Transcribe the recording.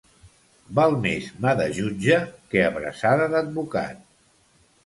Val més mà de jutge que abraçada d'advocat.